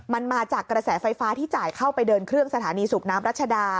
มันมาจากกระแสไฟฟ้าที่จ่ายเข้าไปเดินเครื่องสถานีสูบน้ำรัชดา